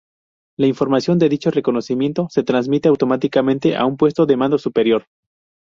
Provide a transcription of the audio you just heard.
La información de dicho reconocimiento se transmite automáticamente a un puesto de mando superior.